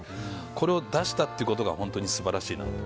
これを出したということが本当に素晴らしいなと。